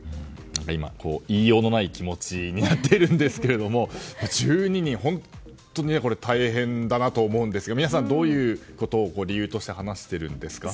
今、言いようのない気持ちになっているんですけども１２人本当に大変だなと思うんですが皆さん、どういうことを理由として話しているんですか。